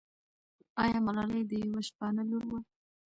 آیا ملالۍ د یوه شپانه لور وه؟